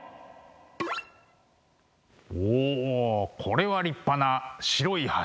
おおこれは立派な白い柱。